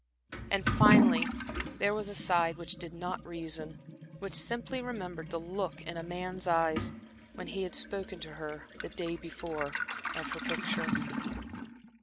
And finally there was a side which did not reason, which simply remembered the look in a man's eyes, when he had spoken to her the day before of her picture.